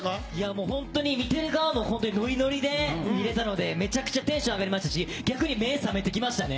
もう、本当に見てる側もノリノリで見れたので、めちゃくちゃテンション上がりましたし、逆に目覚めてきましたね。